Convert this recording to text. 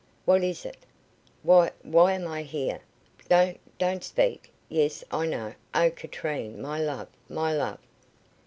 "What is it? Why why am I here? Don't don't speak. Yes, I know. Oh, Katrine, my love, my love!"